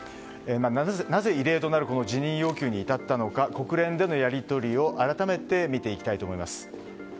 なぜ異例となる辞任要求に至ったのか国連でのやり取りを改めて見ていきたいと思います。